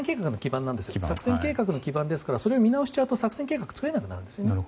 作戦計画の基盤ですからそれを見直しちゃうと作戦基盤ができなくなるんですよね。